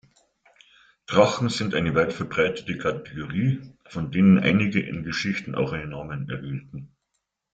Drachen sind eine weitverbreitete Kategorie, von denen einige in Geschichten auch einen Namen erhielten.